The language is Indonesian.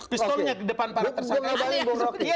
pistolnya di depan para tersangka